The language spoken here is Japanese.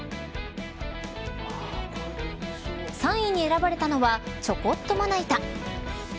３位に選ばれたのはちょこっとまな板。